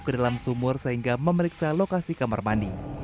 ke dalam sumur sehingga memeriksa lokasi kamar mandi